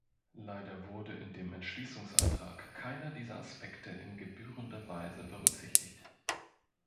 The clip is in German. Leider wurde in dem Entschließungsantrag keiner dieser Aspekte in gebührender Weise berücksichtigt.